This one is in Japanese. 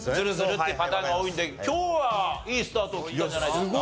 っていうパターンが多いので今日はいいスタートを切ったんじゃないですか？